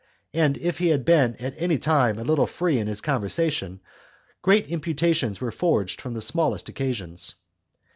And if he had been at any time a little free in his conversation, great imputations were forged from the smallest occasions.